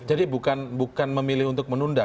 jadi bukan memilih untuk menunda